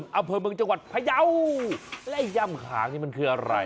อำเภอเมืองจังหวัดพยาวและย่ำขางนี่มันคืออะไร